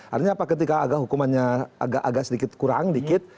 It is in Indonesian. artinya apa ketika agak hukumannya agak sedikit kurang sedikit